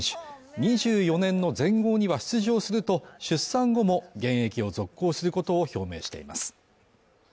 ２４年の全豪には出場すると出産後も現役を続行することを表明しています